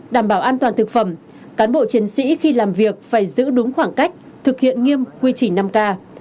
đảm bảo an toàn thực phẩm cán bộ chiến sĩ khi làm việc phải giữ đúng khoảng cách thực hiện nghiêm quy trình năm k